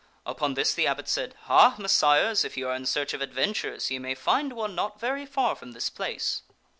Upon this the abbot said, " Ha, Messires, if ye are in search of adventures, ye may find one not very far from this place."